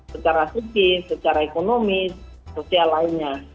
secara psikis secara ekonomi sosial lainnya